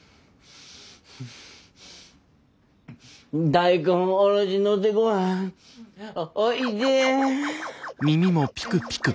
大根おろしのせごはんおいしい。